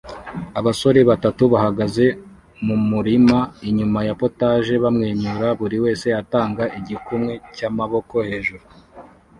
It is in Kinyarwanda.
Abasore batatu bahagaze mumurima inyuma ya POTAGE bamwenyura buri wese atanga igikumwe cyamaboko hejuru